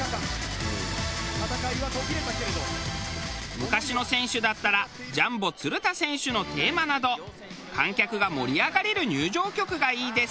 昔の選手だったらジャンボ鶴田選手のテーマなど観客が盛り上がれる入場曲がいいです。